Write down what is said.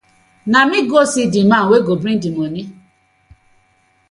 Na mi go see the man dey to bting dii moni.